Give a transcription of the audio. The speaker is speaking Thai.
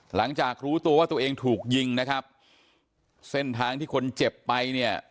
หลังจากรู้ตัวว่าตัวเองถูกยิงนะครับเส้นทางที่คนเจ็บไปเนี่ย